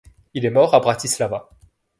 Il est mort à Bratislava.